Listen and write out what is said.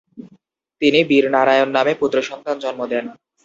তিনি বীর নারায়ণ নামে পুত্র সন্তান জন্ম দেন।